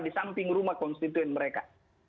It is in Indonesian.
di samping rumah konstituen mereka